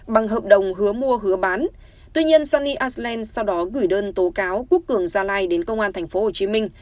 bằng hợp đồng hứa mua hứa bán tuy nhiên sunny island sau đó gửi đơn tố cáo quốc cường gia lai đến công an tp hcm